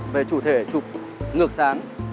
về chủ thể chụp ngược sáng